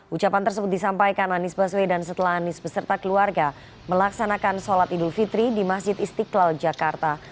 ucapan tersebut disampaikan anies baswedan setelah anies beserta keluarga melaksanakan sholat idul fitri di masjid istiqlal jakarta